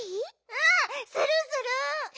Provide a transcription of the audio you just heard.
うんするする！